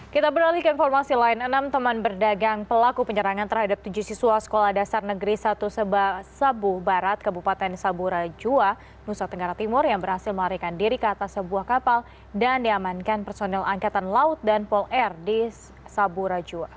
kita beralih ke informasi lain enam teman berdagang pelaku penyerangan terhadap tujuh siswa sekolah dasar negeri satu sabu barat kebupaten sabura jua nusa tenggara timur yang berhasil melarikan diri ke atas sebuah kapal dan diamankan personel angkatan laut dan pol air di sabu rajua